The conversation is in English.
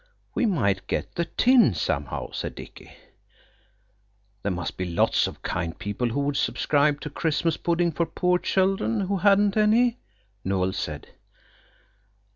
"We might get the tin somehow," said Dicky. "There must be lots of kind people who would subscribe to a Christmas pudding for poor children who hadn't any," Noël said.